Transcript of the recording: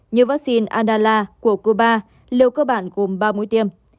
như vắc xin andala của cuba liều cơ bản gồm ba mũi tiêm